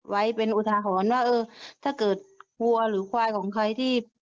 ไว้เป็นอุทาหรณ์ว่าเออถ้าเกิดวัวหรือควายของใครที่